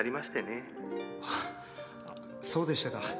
あっそうでしたか。